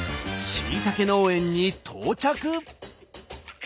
しいたけ農園に到着。